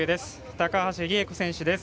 高橋利恵子選手です。